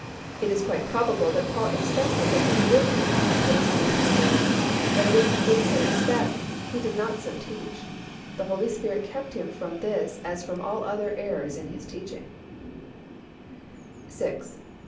It is quite probable that Paul expected that he would be alive to the coming of the Lord, but if he did so expect, he did not so teach. The Holy Spirit kept him from this as from all other errors in his teachings. 6.